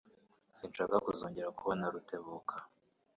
Sinshaka kuzongera kubona Rutebuka.